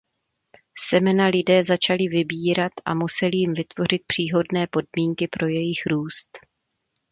Semena lidé začali vybírat a museli jim vytvořit příhodné podmínky pro jejich růst.